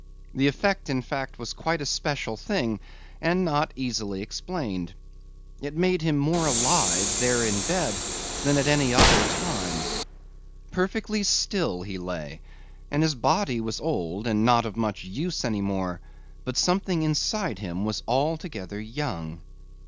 The effect in fact was quite a special thing and not easily explained. It made him more alive, there in bed, than at any other time. Perfectly still he lay and his body was old and not of much use any more, but something inside him was altogether young.